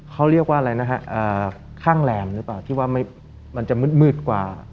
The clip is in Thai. เขาเรียกว่าอะไรนะฮะข้างแรมหรือเปล่าที่ว่ามันจะมืดกว่า